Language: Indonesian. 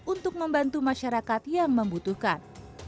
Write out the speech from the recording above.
untuk membantu masyarakat yang membutuhkan